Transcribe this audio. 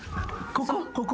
ここ？